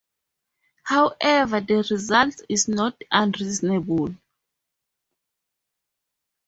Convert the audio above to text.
However, the result is not unreasonable.